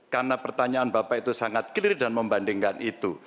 karena pertanyaan bapak itu sangat clear dan membandingkan itu